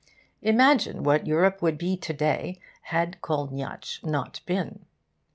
Imagine what Europe would be to day, had Kolniyatsch not been!